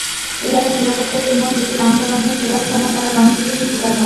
এলাকার নিরাপত্তার জন্য দুটি রামদা বানিয়ে ফেরার সময় তাঁরা গণপিটুনির শিকার হন।